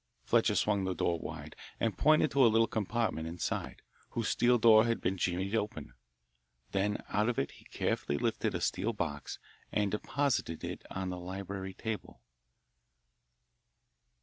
Fletcher swung the door wide, and pointed to a little compartment inside, whose steel door had been jimmied open. Then out of it he carefully lifted a steel box and deposited it on the library table.